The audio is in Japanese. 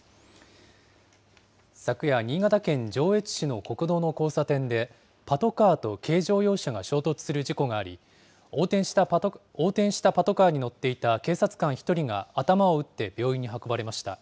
昨夜、新潟県上越市の国道の交差点で、パトカーと軽乗用車が衝突する事故があり、横転したパトカーに乗っていた警察官１人が、頭を打って病院に運ばれました。